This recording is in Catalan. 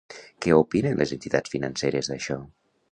Què opinen les entitats financeres d'això?